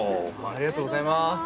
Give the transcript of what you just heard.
ありがとうございます。